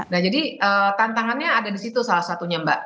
nah jadi tantangannya ada di situ salah satunya mbak